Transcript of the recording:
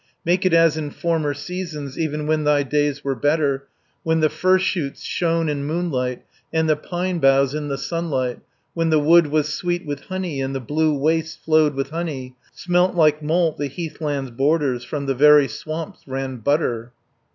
Make it as in former seasons Even when thy days were better, When the fir shoots shone in moonlight, And the pine boughs in the sunlight, When the wood was sweet with honey, And the blue wastes flowed with honey, 170 Smelt like malt the heathlands' borders, From the very swamps ran butter.